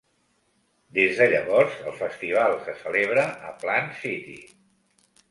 Des de llavors, el festival se celebra a Plant City.